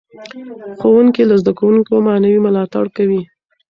ښوونکي له زده کوونکو معنوي ملاتړ کوي.